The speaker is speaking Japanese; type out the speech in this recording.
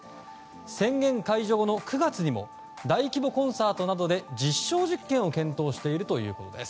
宣言解除後の９月にも大規模コンサートなどで実証実験を検討しているということです。